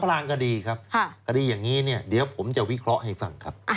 ลางคดีครับคดีอย่างนี้เนี่ยเดี๋ยวผมจะวิเคราะห์ให้ฟังครับ